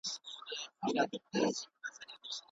د لویې جرګي لپاره ټولې اړینې مالي مرستي د کوم ځای څخه راځي؟